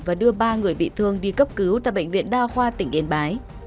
và đưa ba người bị thương đi cấp cứu tại bệnh viện đa khoa tỉnh yên bái